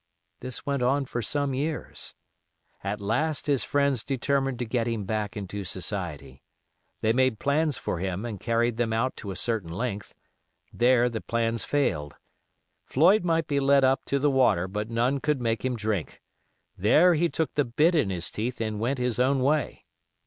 This went on for some years. At last his friends determined to get him back into society. They made plans for him and carried them out to a certain length; there the plans failed. Floyd might be led up to the water, but none could make him drink; there he took the bit in his teeth and went his own way.